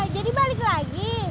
jadi balik lagi